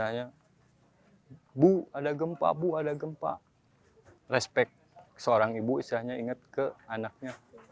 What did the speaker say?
misalnya bu ada gempa bu ada gempa respect seorang ibu istilahnya ingat ke anaknya